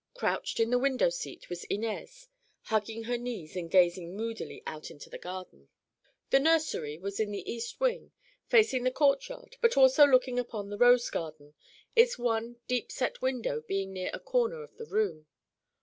Crouched in the window seat was Inez, hugging her knees and gazing moodily out into the garden. The nursery was in the East Wing, facing the courtyard but also looking upon the rose garden, its one deep set window being near a corner of the room.